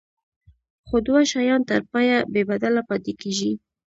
خو دوه شیان تر پایه بې بدله پاتې کیږي.